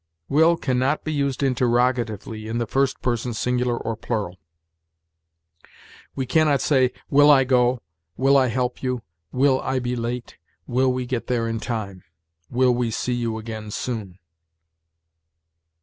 Will can not be used interrogatively in the first person singular or plural. We can not say, "Will I go?" "Will I help you?" "Will I be late?" "Will we get there in time?" "Will we see you again soon?"